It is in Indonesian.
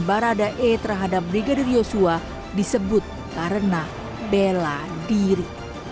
barada e terhadap brigadir yosua disebut karena bela diri